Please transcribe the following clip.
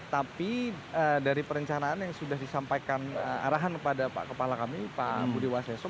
tapi dari perencanaan yang sudah disampaikan arahan kepada pak kepala kami pak budi waseso